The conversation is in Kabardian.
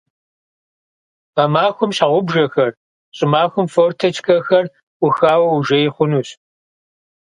Гъэмахуэм щхьэгъубжэхэр, щӀымахуэм форточкэхэр Ӏухауэ ужей хъунущ.